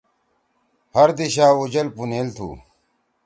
ہر دیِشا اُوجل پُونیل تُھو۔